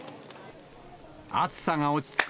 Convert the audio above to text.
暑さが落ち着く